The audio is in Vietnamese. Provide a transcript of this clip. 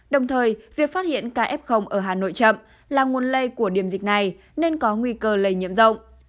đồng thời việc phát hiện ca f ở hà nội chậm là nguồn lây của điểm dịch này nên có nguy cơ lây nhiễm rộng